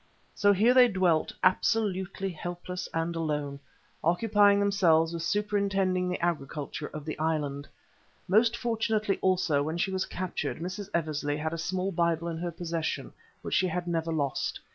So here they dwelt absolutely helpless and alone, occupying themselves with superintending the agriculture of the island. Most fortunately also when she was captured, Mrs. Eversley had a small Bible in her possession which she had never lost.